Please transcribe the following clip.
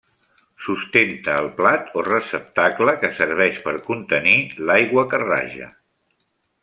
Sustenta el plat o receptacle que serveix per contenir l'aigua que raja.